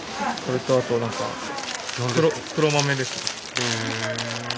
へえ。